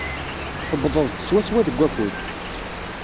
Tewwḍeḍ-d swaswa deg wakud.